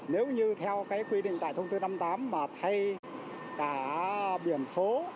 nếu như theo cái quy định tại thông tư năm mươi tám mà thay cả biển số